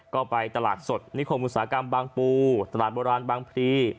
ก็ไปตลาดสดนิคมอุตสาหกรรมบางปูตลาดโบราณบางพลี